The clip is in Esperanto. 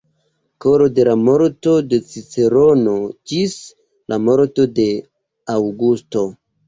Kr., de la morto de Cicerono ĝis la morto de Aŭgusto.